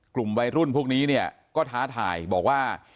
กลุ่มวัยรุ่นพวกนี้เนี่ยก็ท้าทายบอกว่า